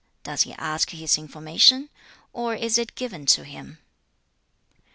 Does he ask his information? or is it given to him?'